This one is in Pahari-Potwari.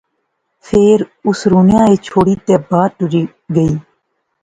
فیر اس رونیا ایہہ چھوڑی تے باہر ٹری گئی